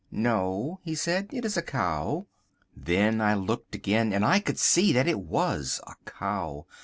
"No," he said, "it is a cow!" Then I looked again and I could see that it was a cow.